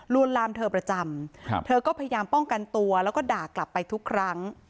ลามเธอประจำเธอก็พยายามป้องกันตัวแล้วก็ด่ากลับไปทุกครั้ง